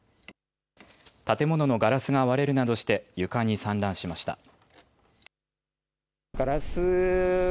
建物のガラスが割れるなどして床に散乱しました。